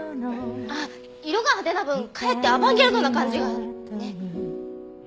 あっ色が派手な分かえってアバンギャルドな感じがねっ。